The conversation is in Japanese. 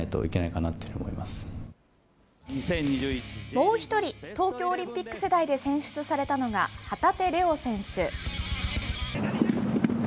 もう１人、東京オリンピック世代で選出されたのが、旗手怜央選手。